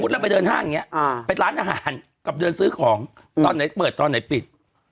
แล้วร้านอาหารก็เปิด